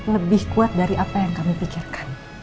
lebih kuat dari apa yang kami pikirkan